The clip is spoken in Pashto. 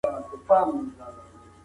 شتمن باید د غریبانو لاس ونیسي.